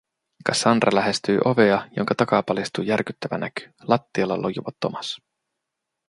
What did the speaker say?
Cassandra lähestyi ovea, jonka takaa paljastui järkyttävä näky - lattialla lojuva Thomas.